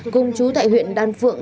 cùng chú tại huyện đan phượng